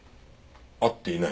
会っていない？